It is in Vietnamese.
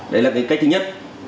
đấy là cái cách thứ nhất